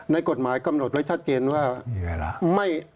กฎหมายกำหนดไว้ชัดเจนว่า